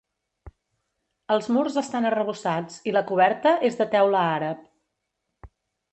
Els murs estan arrebossats i la coberta és de teula àrab.